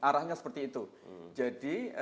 arahnya seperti itu jadi